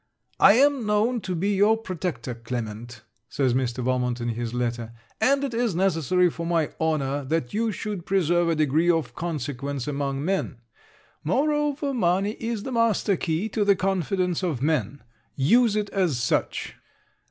'I am known to be your protector, Clement,' says Mr. Valmont in his letter; 'and it is necessary for my honour that you should preserve a degree of consequence among men. Moreover, money is the master key to the confidence of men. Use it as such.